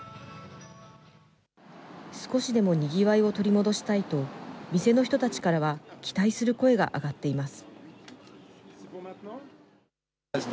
少しでもにぎわいを取り戻したいと、店の人たちからは期待する声が上がっています。